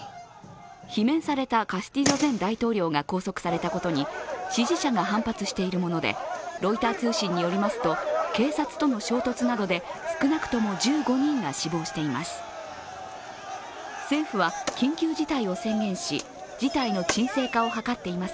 罷免されたカスティジョ前大統領が拘束されたことに支持者が反発しているものでロイター通信によりますと警察との衝突などで少なくとも１５人が死亡しています。